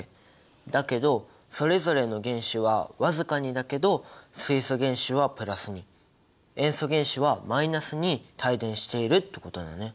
だけどそれぞれの原子はわずかにだけど水素原子はプラスに塩素原子はマイナスに帯電しているってことだね。